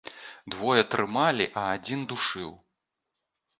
Двое трымалі, а адзін душыў.